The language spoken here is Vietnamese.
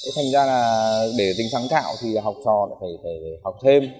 thành ra là để tính sáng tạo thì học trò lại phải học thêm